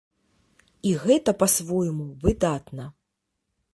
І гэта па-свойму выдатна.